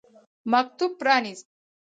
مکتوب پرانیست.